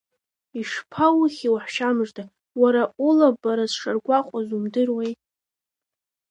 Ишԥоухьи, уаҳәшьамыжда, уараулабарасшаргәаҟуаз умдыруеи?